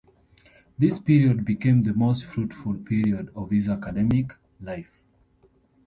This period became the most fruitful period of his academic life.